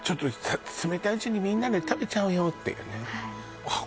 「冷たいうちにみんなで食べちゃおうよ」っていうね